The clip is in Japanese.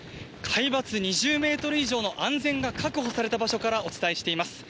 海抜２０メートル以上の安全が確保された場所からお伝えしています。